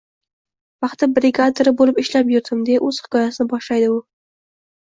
paxta brigadiri bo‘lib ishlab yurdim, – deya o‘z hikoyasini boshlaydi u.